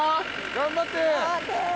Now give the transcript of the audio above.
頑張って。